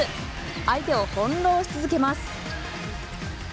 相手を翻ろうし続けます。